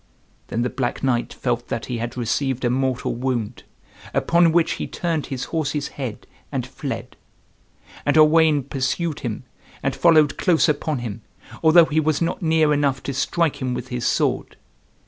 Then the black knight felt that he had received a mortal wound, upon which he turned his horse's head and fled. And Owain pursued him and followed close upon him, although he was not near enough to strike him with his sword.